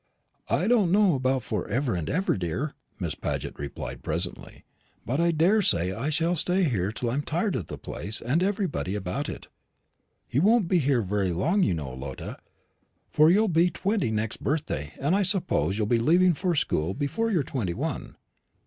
"I don't know about for ever and ever, dear," Miss Paget replied presently; "but I daresay I shall stay here till I'm tired of the place and everybody about it. You won't be here very long, you know, Lotta; for you'll be twenty next birthday, and I suppose you'll be leaving school before you're twenty one.